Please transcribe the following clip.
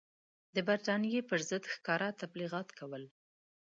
د برټانیې پر ضد ښکاره تبلیغات کول.